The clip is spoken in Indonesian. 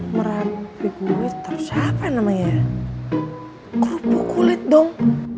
merapi buiters apa namanya kerupuk kulit dong